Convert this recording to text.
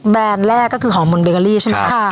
แบรนด์แรกก็คือหอมมนต์เบเกอรี่ใช่ไหมครับ